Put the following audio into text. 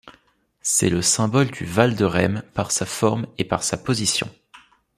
C'est le symbole du val de Rhêmes par sa forme et par sa position.